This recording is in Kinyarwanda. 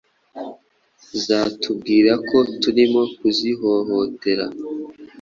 Zatubwira ko turimo kuzihohotera